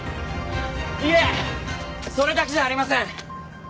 いえそれだけじゃありません！